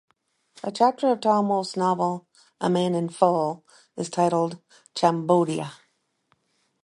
A chapter of Tom Wolfe's novel "A Man in Full" is titled "Chambodia".